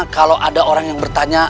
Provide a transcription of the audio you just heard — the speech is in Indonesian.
kalau ada orang yang bertanya